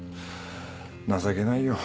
情けないよ。